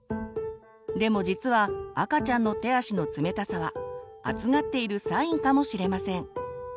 でも実は赤ちゃんの手足の冷たさは暑がっているサインかもしれません。